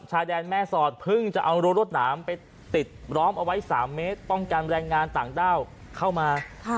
ชายแดนแม่สอดเพิ่งจะเอารั้วรวดหนามไปติดล้อมเอาไว้๓เมตรป้องกันแรงงานต่างด้าวเข้ามา